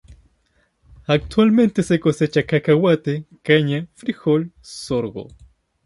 Actualmente se cosecha cacahuate, caña, frijol, sorgo.